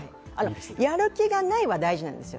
やる気がないは大事なんです。